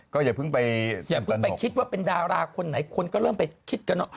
ก็อย่าเพิ่งไปคิดว่าเป็นดาราคนไหนคนก็เริ่มไปคิดกัน